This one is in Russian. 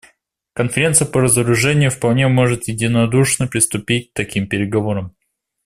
Конференция по разоружению вполне может единодушно приступить к таким переговорам.